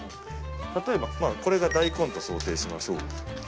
例えばこれが大根と想定しましょう。